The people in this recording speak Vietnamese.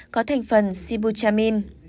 có thành phần sibutramine